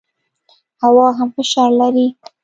هوا هم فشار لري.